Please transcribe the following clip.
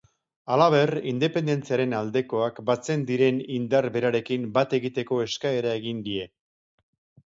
Halaber, independentziaren aldekoak batzen diren indar berarekin bat egiteko eskaera egin die.